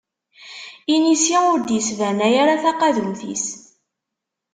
Inisi ur d-isbanay ara taqadumt-is.